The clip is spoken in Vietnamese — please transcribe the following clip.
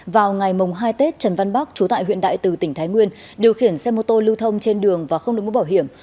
vào ngày hai tết trần văn bắc chú tại huyện đại từ tỉnh thái nguyên điều khiển xe mô tô lưu thông trên đường và không được mũ bảo hiểm